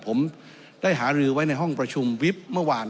หรือไม่เนี่ยผมได้หารือไว้ในห้องประชุมวิบเมื่อวาน